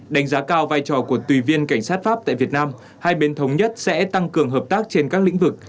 đánh giá cao vai trò của tùy viên cảnh sát pháp tại việt nam hai bên thống nhất sẽ tăng cường hợp tác trên các lĩnh vực